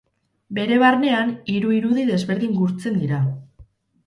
Bere barnean, hiru irudi desberdin gurtzen dira.